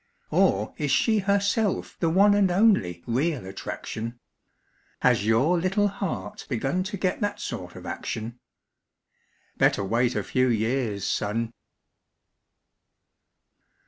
Or is she herself the one And only real attraction? Has your little heart begun To get that sort of action? Better wait a few years, son.